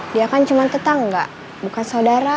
dia kan cuma tetangga bukan saudara